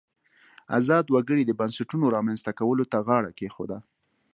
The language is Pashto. ازاد وګړي د بنسټونو رامنځته کولو ته غاړه کېښوده.